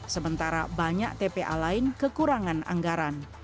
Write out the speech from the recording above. sementara banyak tpa lain kekurangan anggaran